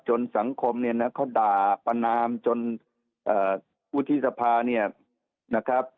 จนสังคมเนี้ยนะเขาด่าประนามจนเอ่ออุทิศภาเนี้ยนะครับ